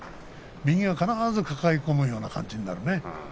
右は必ず抱え込むような感じになるね。